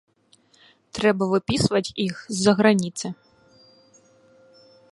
Трэба выпісваць іх з-за граніцы.